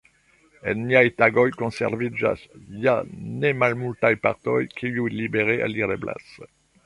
En niaj tagoj konserviĝas ja ne malmultaj partoj kiuj libere alireblas.